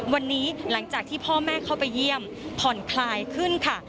วันนี้หลังจากที่พ่อแม่เข้าไปเยี่ยมผ่อนคลายขึ้นค่ะ